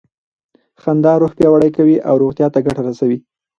خندا روح پیاوړی کوي او روغتیا ته ګټه رسوي.